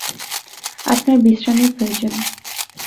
আপনার বিশ্রামের প্রয়োজন।